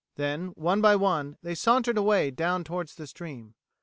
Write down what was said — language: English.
Then one by one they sauntered away down towards the stream.